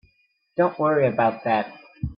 Don't worry about that.